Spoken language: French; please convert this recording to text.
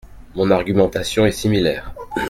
Mon argumentation est similaire.